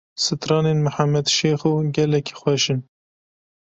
Stranên Mihemed Şêxo gelekî xweş in.